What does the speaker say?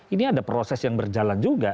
ini ada proses yang berjalan juga